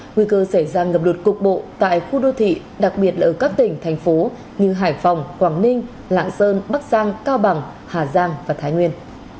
nguy cơ xảy ra ngập lụt cục bộ tại khu đô thị đặc biệt là ở các tỉnh thành phố như hải phòng quảng ninh lạng sơn bắc giang cao bằng hà giang và thái nguyên